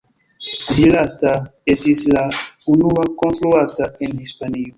Ĉi lasta estis la unua konstruata en Hispanio.